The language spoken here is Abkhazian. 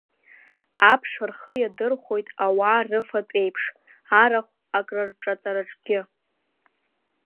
Аԥш рхы иадырхәоит ауаа рыфатә еиԥш, арахә акрырҿаҵараҿгьы.